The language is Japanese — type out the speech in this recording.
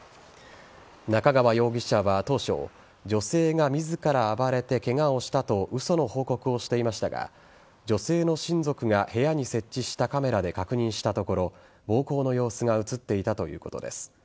中川容疑者は当初女性が自ら暴れてケガをしたと嘘の報告をしていましたが女性の親族が部屋に設置したカメラで確認したところ暴行の様子が映っていたということです。